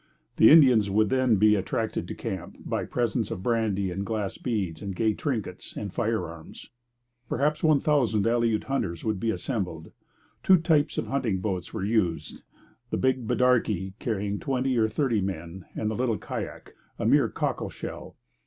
The Indians would then be attracted to the camp by presents of brandy and glass beads and gay trinkets and firearms. Perhaps one thousand Aleut hunters would be assembled. Two types of hunting boats were used the big 'bidarkie,' carrying twenty or thirty men, and the little kayak, a mere cockle shell.